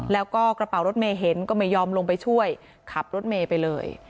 แล้วก็กระเป๋ารถเมย์เห็นก็ไม่ยอมลงไปช่วยขับรถเมย์ไปเลย